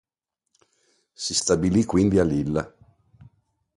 Si stabilì quindi a Lilla.